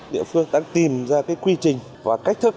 địa phương đang tìm ra cái quy trình và cách thức